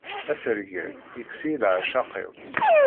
Asergel yekkes-iyi leɛceq-iw.